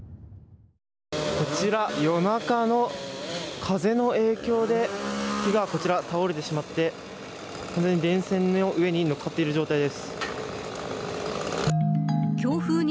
こちら、夜中の風の影響で木がこちら、倒れてしまって電線の上に乗っかっている状態です。